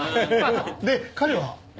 で彼は？